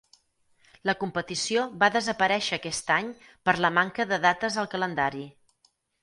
La competició va desaparèixer aquest any per la manca de dates al calendari.